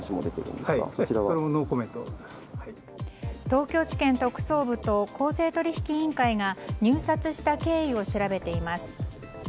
東京地検特捜部と公正取引委員会が入札した経緯を調べています。